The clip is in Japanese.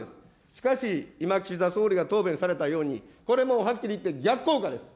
しかし、今、岸田総理が答弁されたように、これもうはっきり言って逆効果です。